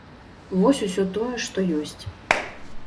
Вось усё тое, што ёсць.